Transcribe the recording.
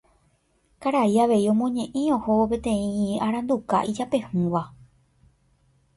Karai avei omoñeʼẽ ohóvo peteĩ aranduka ijapehũva.